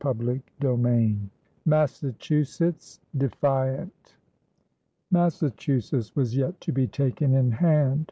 CHAPTER VII MASSACHUSETTS DEFIANT Massachusetts was yet to be taken in hand.